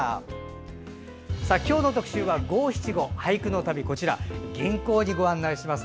今日の特集は五七五、俳句の旅吟行にご案内します。